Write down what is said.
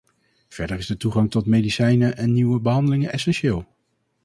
Verder is de toegang tot medicijnen en nieuwe behandelingen essentieel.